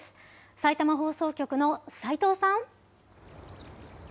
さいたま放送局の齋藤さん。